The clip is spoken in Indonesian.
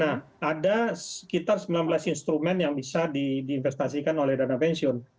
nah ada sekitar sembilan belas instrumen yang bisa diinvestasikan oleh dana pensiun